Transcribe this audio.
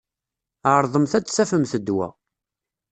Ɛeṛḍemt ad tafemt ddwa.